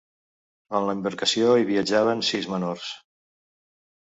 En l’embarcació hi viatjaven sis menors.